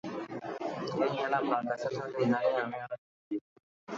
তিনি এখানে আপনার কাছে থাকেন জানিয়া আমি আরো নিশ্চিন্ত।